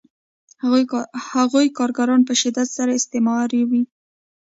هغوی کارګران په شدت سره استثماروي